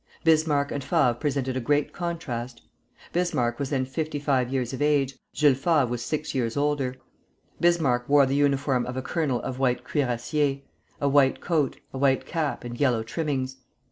Bismarck and Favre presented a great contrast. Bismarck was then fifty five years of age; Jules Favre was six years older. Bismarck wore the uniform of a colonel of White Cuirassiers, a white coat, a white cap, and yellow trimmings.